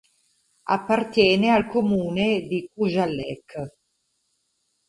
Appartiene al comune di Kujalleq.